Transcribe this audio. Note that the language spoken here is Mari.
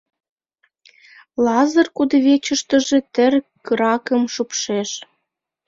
Лазыр кудывечыштыже тер кыракым шупшеш.